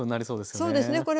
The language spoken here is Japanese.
そうですね。